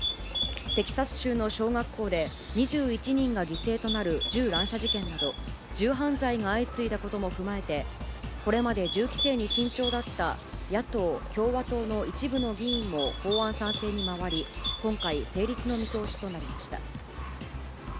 テキサス州の小学校で２１人が犠牲となる銃乱射事件など、銃犯罪が相次いだことも踏まえて、これまで銃規制に慎重だった野党・共和党の一部の議員も法案賛成に回り、今回、成立の見通しとなりました。